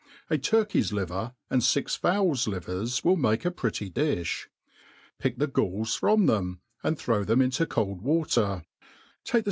A turkey's liver and hx fowls livers will make a pretty difli. Pick the galls from them, and throw them into cold water ; take the